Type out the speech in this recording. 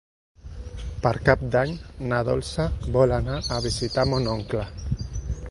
Per Cap d'Any na Dolça vol anar a visitar mon oncle.